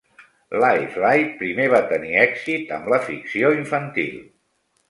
Lively primer va tenir èxit amb la ficció infantil.